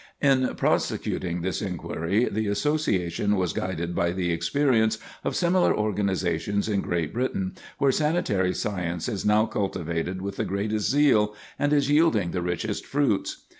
In prosecuting this inquiry the Association was guided by the experience of similar organizations in Great Britain, where sanitary science is now cultivated with the greatest zeal, and is yielding the richest fruits.